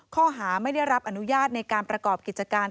ข้อหาไม่ได้รับอนุญาตในการประกอบกิจการ